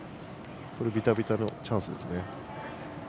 ビタビタのチャンスですね。